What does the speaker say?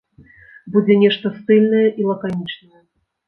Будзе нешта стыльнае і лаканічнае.